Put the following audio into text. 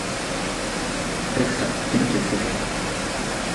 アレクサ、電気をつけて